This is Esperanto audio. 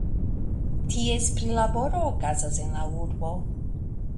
Ties prilaboro okazas en la urbo.